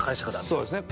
そうですね。